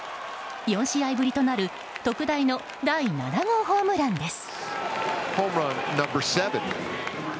４試合ぶりとなる特大の第７号ホームランです。